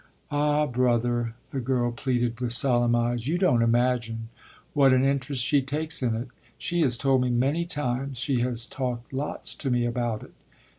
"Ah brother," the girl pleaded with solemn eyes, "you don't imagine what an interest she takes in it. She has told me many times she has talked lots to me about it."